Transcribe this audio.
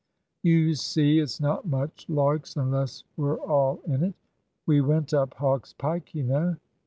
"You see, it's not much larks unless we're all in it. We went up Hawk's Pike, you know."